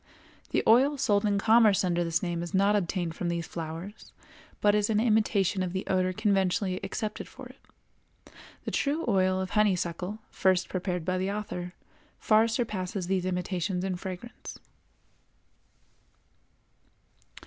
] The oil sold in commerce under this name is not obtained from these flowers, but is an imitation of the odor conventionally accepted for it. The true oil of honeysuckle, first prepared by the author, far surpasses these imitations in fragrance.